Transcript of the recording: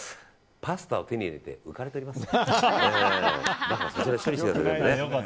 パスタを手に入れて浮かれております。